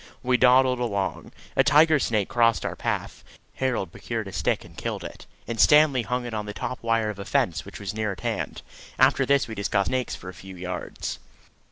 We dawdled along. A tiger snake crossed our path. Harold procured a stick and killed it, and Stanley hung it on the top wire of a fence which was near at hand. After this we discussed snakes for a few yards.